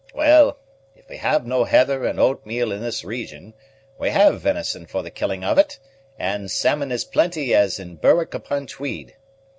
Well, if we have no heather and oatmeal in this region, we have venison for the killing of it and salmon as plenty as at Berwick upon Tweed.